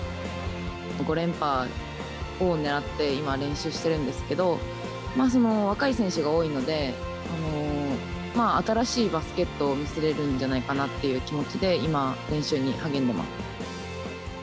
５連覇をねらって、今、練習してるんですけど、若い選手が多いので、新しいバスケットを見せれるんじゃないかなっていう気持ちで、今、練習に励んでます。